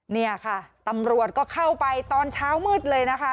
นี่ค่ะตำรวจก็เข้าไปตอนเช้ามืดเลยนะคะ